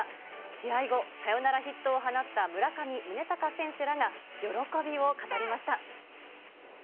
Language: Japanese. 試合後、サヨナラヒットを放った村上宗隆選手らが、喜びを語りました。